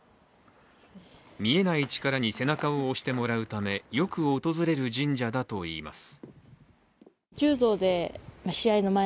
見えない力に背中を押してもらうためよく訪れる神社だといいます。